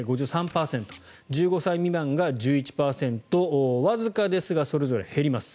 １５歳未満が１１％わずかですがそれぞれ減ります。